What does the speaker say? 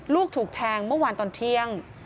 ถูกแทงเมื่อวานตอนเที่ยง